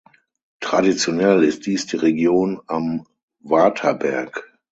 Traditionell ist dies die Region am Waterberg.